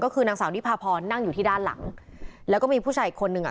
ก็คือนางสาวนิพาพรนั่งอยู่ที่ด้านหลังแล้วก็มีผู้ชายอีกคนนึงอ่ะ